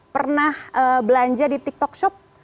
pernah belanja di tik tok shop